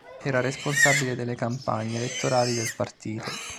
Era responsabile delle campagne elettorali del partito.